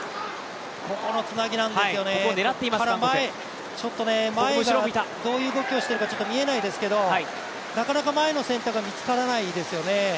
ここのつなぎなんですよね、前がどういう動きをしているかちょっと見えないですけどなかなか前が見つからないですよね。